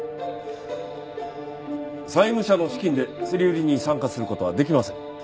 債務者の資金で競り売りに参加する事はできません。